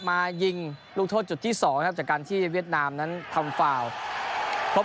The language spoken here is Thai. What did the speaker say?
มายิงลูกโทษจุดที่สองครับจากการที่เวียดนามนั้นทำฟาวพบ